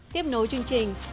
tiếp nối chương trình